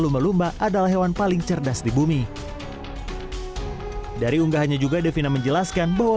lumba lumba adalah hewan paling cerdas di bumi dari unggahannya juga devina menjelaskan bahwa